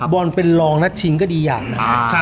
บอนรองนักชิงเอานะ